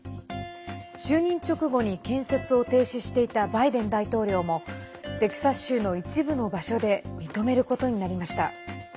就任直後に建設を停止していたバイデン大統領もテキサス州の一部の場所で認めることになりました。